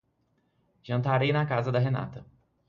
Jantarei na casa da Renata.